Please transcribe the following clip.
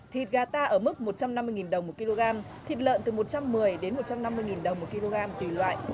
thịt gà ta ở mức một trăm năm mươi đồng một kg thịt lợn từ một trăm một mươi đến một trăm năm mươi đồng một kg tùy loại